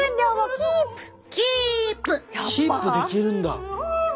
キープできるんだ。